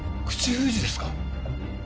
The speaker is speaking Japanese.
口封じですか。